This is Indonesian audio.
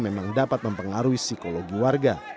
memang dapat mempengaruhi psikologi warga